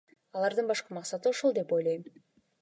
Алардын башкы максаты ошол деп ойлойм.